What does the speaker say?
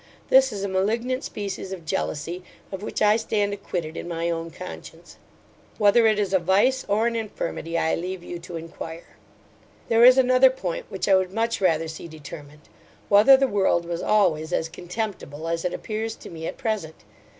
This is a malignant species of jealousy, of which I stand acquitted in my own conscience. Whether it is a vice, or an infirmity, I leave you to inquire. There is another point, which I would much rather see determined; whether the world was always as contemptible, as it appears to me at present?